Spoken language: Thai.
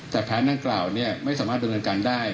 แต่แผนนั่งกล่าวนี้ไม่สามารถโดยงานการได้